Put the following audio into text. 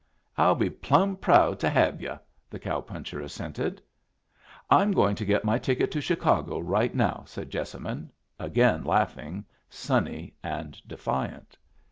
"I'll be plumb proud to have yu'," the cow puncher assented. "I'm going to get my ticket to Chicago right now," said Jessamine, again laughing, sunny and defiant.